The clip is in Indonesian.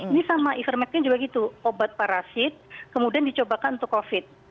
ini sama ivermectin juga gitu obat parasit kemudian dicobakan untuk covid